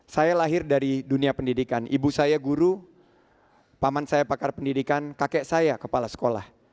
saya lahir dari dunia pendidikan ibu saya guru paman saya pakar pendidikan kakek saya kepala sekolah